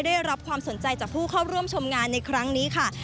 ได้รับความสนใจจากผู้เข้าร่วมชมงานในครั้งนี้ค่ะ